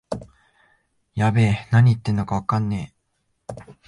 やべえ、なに言ってんのかわからねえ